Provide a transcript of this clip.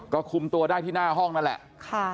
ก็คุมตัวได้ที่หน้าห้องนั่นแหละ